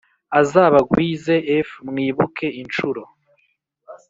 Azabagwize f mwikube incuro